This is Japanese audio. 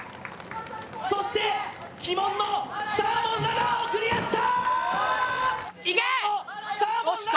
そして、鬼門のサーモンラダーをクリアした！